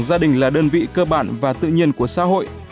gia đình là đơn vị cơ bản và tự nhiên của xã hội